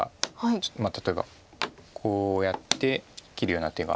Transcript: ちょっとまあ例えばこうやって切るような手が。